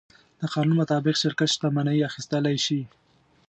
د قانون مطابق شرکت شتمنۍ اخیستلی شي.